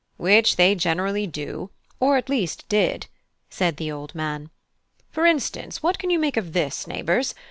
"Which they generally do, or at least did," said the old man. "For instance, what can you make of this, neighbours?